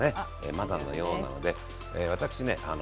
まだのようなので私ね